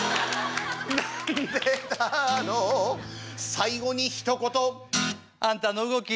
最後にひと言「あんたの動き